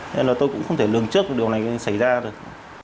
nên là tôi cũng không thể lường trước được điều này xảy ra được